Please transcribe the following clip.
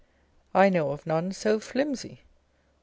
I know of none so flimsy.